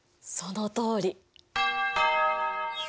そのとおり！